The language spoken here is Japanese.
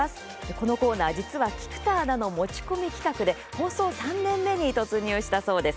このコーナーは菊田アナの持ち込み企画で放送３年目に突入したそうです。